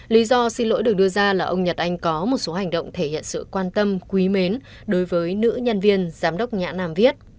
lý do xin lỗi được đưa ra là ông nhật anh có một số hành động thể hiện sự quan tâm quý mến đối với nữ nhân viên giám đốc nhã nam viết